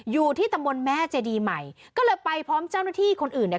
อยู่ที่ตำบลแม่เจดีใหม่ก็เลยไปพร้อมเจ้าหน้าที่คนอื่นเนี่ย